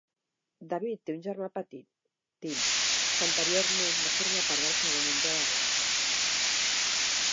David té un germà petit, Tim, que anteriorment va formar part del segon onze de Glamorgan.